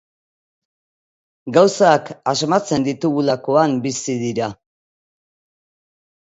Gauzak asmatzen ditugulakoan bizi dira.